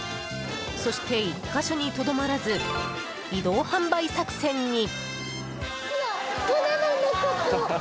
そして、１か所にとどまらず移動販売作戦に。